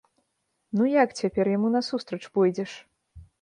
Ну як цяпер яму насустрач пойдзеш?